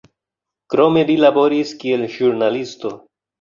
Krome li laboris kiel ĵurnalisto.